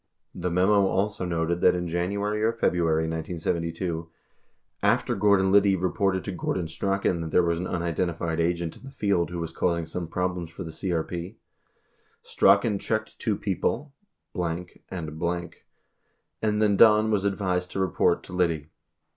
5 The memo also noted that in January or February 1972, after Gor don Liddy reported to Gordon Strachan that there was an unidenti fied agent in the field who was causing some problems for the CRP, "Strachan checked two people ( and ) and then Don was advised to report to Liddy."